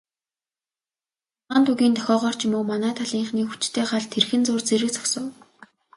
Цагаан тугийн дохиогоор ч юм уу, манай талынхны хүчтэй гал тэрхэн зуур зэрэг зогсов.